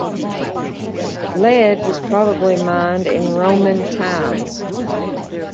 Lead was probably mined in Roman times.